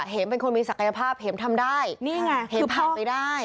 เห็มเป็นคนมีศักยภาพเห็มทำได้เห็มผ่านไปได้